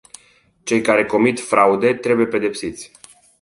Cei care comit fraude trebuie pedepsiți.